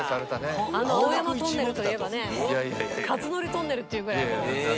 あの青山トンネルといえばね克典トンネルっていうぐらいもう。